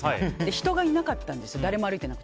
人がいなかったんですよ。